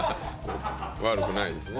悪くないですね。